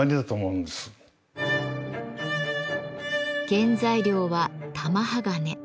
原材料は「玉鋼」。